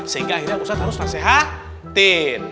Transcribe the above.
sehingga akhirnya ustadz harus nasehatin